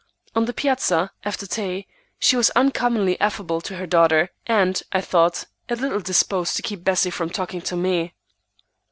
On the piazza, after tea, she was uncommonly affable to her daughter, and, I thought, a little disposed to keep Bessie from talking to me.